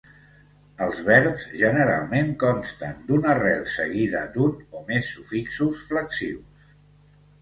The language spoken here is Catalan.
Els verbs generalment consten d'una arrel seguida d'un o més sufixos flexius.